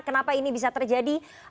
kenapa ini bisa terjadi